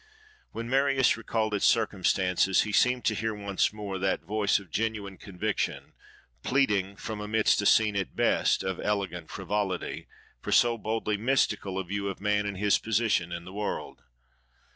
When Marius recalled its circumstances he seemed to hear once more that voice of genuine conviction, pleading, from amidst a scene at best of elegant frivolity, for so boldly mystical a view of man and his position in the world.